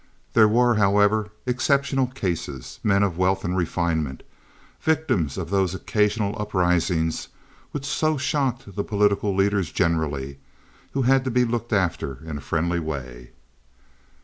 There were, however, exceptional cases—men of wealth and refinement, victims of those occasional uprisings which so shocked the political leaders generally—who had to be looked after in a friendly way.